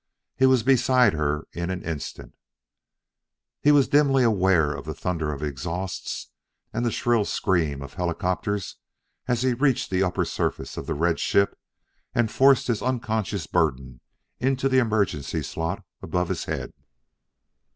He was beside her in an instant. He was dimly aware of the thunder of exhausts and the shrill scream of helicopters as he reached the upper surface of the red ship and forced his unconscious burden into the emergency slot above his head.